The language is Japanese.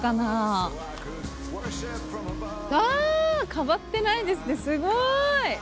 変わってないですねすごい！